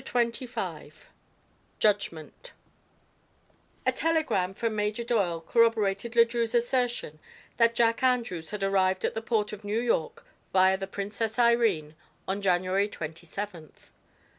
CHAPTER XXV JUDGMENT A telegram from Major Doyle corroborated Le Drieux's assertion that Jack Andrews had arrived at the port of New York via the Princess Irene on January twenty seventh.